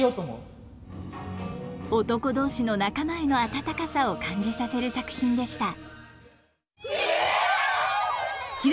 男同士の仲間への温かさを感じさせる作品でした。